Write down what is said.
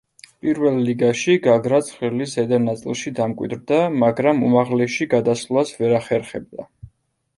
პირველ ლიგაში გაგრა ცხრილის ზედა ნაწილში დამკვიდრდა, მაგრამ უმაღლესში გადასვლას ვერ ახერხებდა.